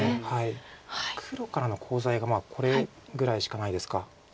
黒からのコウ材がこれぐらいしかないですか。